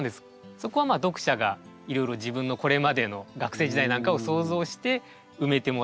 そこは読者がいろいろ自分のこれまでの学生時代なんかを想像して埋めてもらえたらなと。